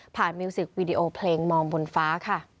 ผ่านมิวสิกวีดีโอเพลงมองบนฟ้า